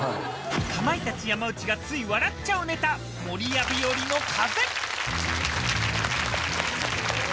かまいたち・山内がつい笑っちゃうネタ、守谷日和の風。